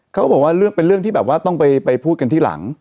เขาบอกว่าเป็นเรื่องที่แบบว่าต้องไปพูดกันที่หลัง